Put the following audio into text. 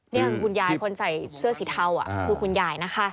นี่ค่ะคุณยายคนใส่เสื้อสีเทาคือคุณยายนะคะ